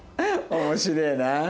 面白えな。